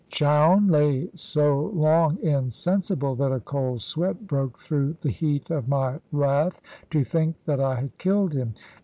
Chowne lay so long insensible, that a cold sweat broke through the heat of my wrath, to think that I had killed him.